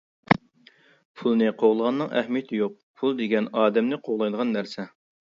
پۇلنى قوغلىغاننىڭ ئەھمىيىتى يوق، پۇل دېگەن ئادەمنى قوغلايدىغان نەرسە.